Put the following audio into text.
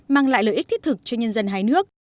mang lại lợi ích thiết thực cho nhân dân hai nước